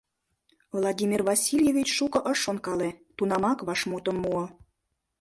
— Владимир Васильевич шуко ыш шонкале, тунамак вашмутым муо.